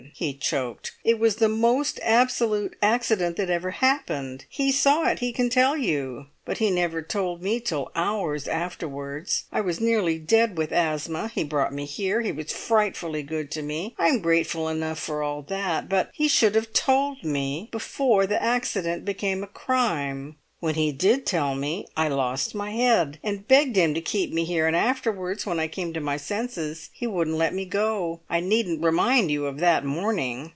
he choked. "It was the most absolute accident that ever happened; he saw it; he can tell you; but he never told me till hours afterwards. I was nearly dead with asthma; he brought me here, he was frightfully good to me, I'm grateful enough for all that. But he should have told me before the accident became a crime! When he did tell me I lost my head, and begged him to keep me here, and afterwards when I came to my senses he wouldn't let me go. I needn't remind you of that morning!